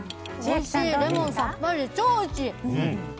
レモンさっぱり、超おいしい！